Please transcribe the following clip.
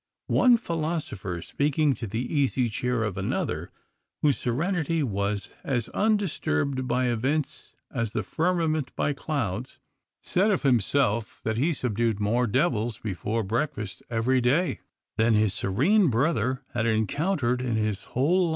One philosopher, speaking to the Easy Chair of another, whose serenity was as undisturbed by events as the firmament by clouds, said of himself that he subdued more devils before breakfast every day than his serene brother had encountered in his whole life.